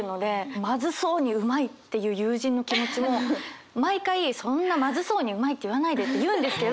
まずそうに「うまい！」って言う友人の気持ちも毎回「そんなまずそうに『うまい！』って言わないで」って言うんですけど。